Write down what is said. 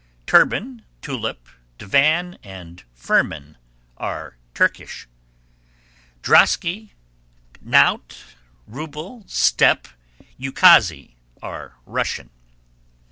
Turban, tulip, divan and firman are Turkish. Drosky, knout, rouble, steppe, ukase are Russian.